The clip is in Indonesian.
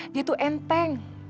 dia tuh enteng